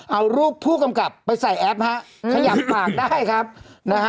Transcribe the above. เอารูปผู้กำกับไปใส่แอปฮะขยับปากได้ครับนะฮะ